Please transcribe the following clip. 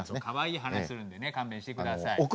かわいい話するんでね勘弁してください。